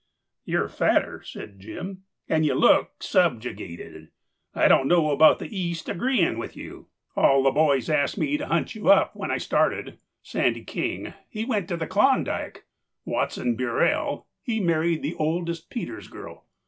"You're fatter," said Jim, "and you look subjugated. I don't know about the East agreeing with you. All the boys asked me to hunt you up when I started. Sandy King, he went to the Klondike. Watson Burrel, he married the oldest Peters girl.